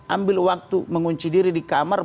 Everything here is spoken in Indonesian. ambil waktu mengunci diri di kamar